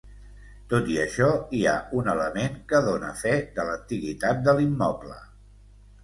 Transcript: Tot i això hi ha un element que dóna fe de l'antiguitat de l'immoble.